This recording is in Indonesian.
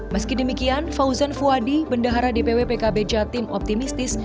meski demikian fauzan fuadi bendahara dpw pkb jatim optimistis